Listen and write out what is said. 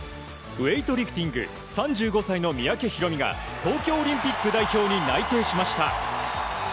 ウエイトリフティング３５歳の三宅宏実が東京オリンピック代表に内定しました。